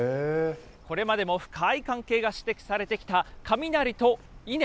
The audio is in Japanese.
これまでも深い関係が指摘されてきた雷と稲。